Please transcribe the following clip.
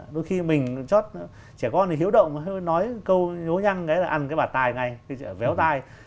đôi khi mình chót trẻ con thì hiếu động nói câu nhố nhăn ăn cái bạc tai ngay véo tai